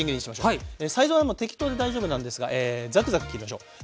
サイズはもう適当で大丈夫なんですがザクザク切りましょう。